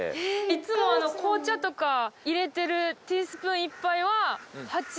いつも紅茶とか入れてるティースプーン１杯はハチ。